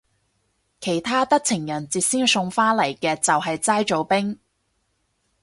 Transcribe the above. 其他得情人節先送花嚟嘅就係齋做兵